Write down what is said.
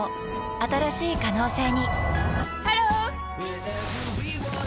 新しい可能性にハロー！